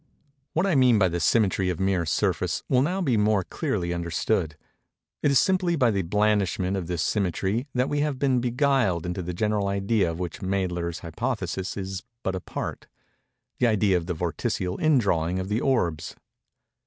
What I mean by the symmetry of mere surface will now be more clearly understood. It is simply by the blandishment of this symmetry that we have been beguiled into the general idea of which Mädler's hypothesis is but a part—the idea of the vorticial indrawing of the orbs.